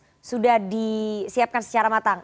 dan teknis sudah disiapkan secara matang